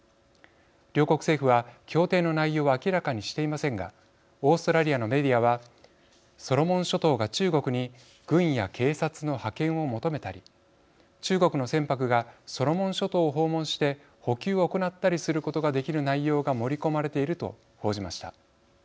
両国政府は協定の内容は明らかにしていませんがオーストラリアのメディアはソロモン諸島が中国に軍や警察の派遣を求めたり中国の船舶がソロモン諸島を訪問して補給を行ったりすることができる内容が盛り込まれていると報じました。